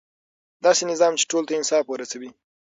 داسې نظام چې ټولو ته انصاف ورسوي.